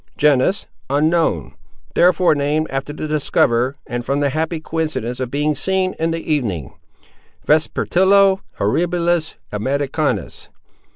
Genus—unknown; therefore named after the discoverer, and from the happy coincidence of being seen in the evening—_Vespertilio Horribilis, Americanus.